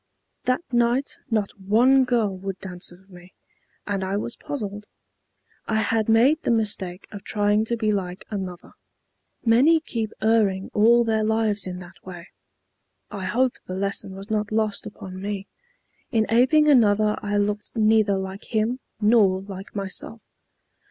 That night not one girl would dance with me, and I was puzzled. I had made the mistake of trying to be like another. Many keep erring all their lives in that way. I hope the lesson was not lost upon me. In aping another I looked neither like him nor like myself.